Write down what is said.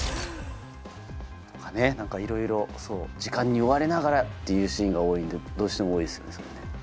何かいろいろ時間に追われながらっていうシーンが多いんでどうしても多いですよね。